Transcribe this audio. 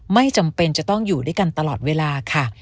ไม่จำเป็นจะต้องอยู่ด้วยกันตลอดเวลาค่ะ